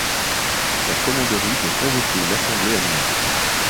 La Commanderie doit convoquer une assemblée annuelle.